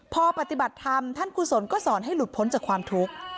พอปฏิบัติธรรมท่านกุศลก็สอนให้หลุดพ้นจากความทุกข์